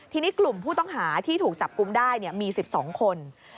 ทีนี้กลุ่มผู้ต้องหาที่ถูกจับกุมได้มี๑๒คน